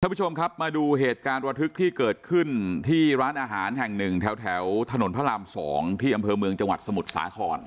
ผู้ชมครับมาดูเหตุการณ์ระทึกที่เกิดขึ้นที่ร้านอาหารแห่งหนึ่งแถวถนนพระราม๒ที่อำเภอเมืองจังหวัดสมุทรสาคร